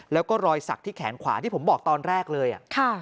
แล้วก็รอยสักที่แขนขวาที่ผมบอกตอนแรกเลย